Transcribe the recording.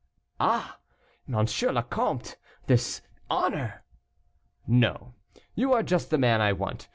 "Ah, M. le Comte! this honor." "No; you are just the man I want.